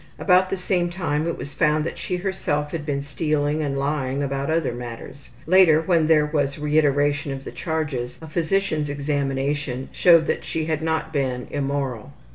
About the same time it was found that she herself had been stealing and lying about other matters. Later, when there was reiteration of the charges, a physician's examination showed that she had not been immoral.